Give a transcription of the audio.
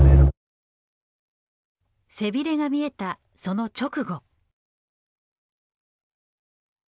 背ビレが見えたその直後。